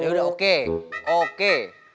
yaudah oke oke